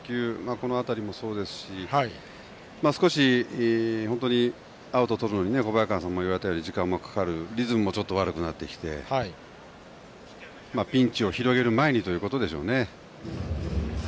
この辺りもそうですしアウトをとるのに小早川さんが言われたように時間がかかりリズムも悪くなってきてピンチを広げる前にということでしょうね。